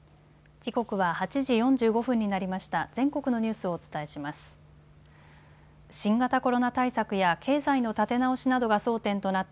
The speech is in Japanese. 時刻は８時４５分になりました。